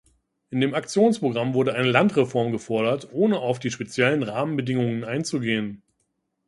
In dem Aktionsprogramm wurde eine Landreform gefordert, ohne auf die speziellen Rahmenbedingungen einzugehen.